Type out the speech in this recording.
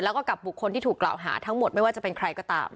แล้วก็กับบุคคลที่ถูกกล่าวหาทั้งหมดไม่ว่าจะเป็นใครก็ตาม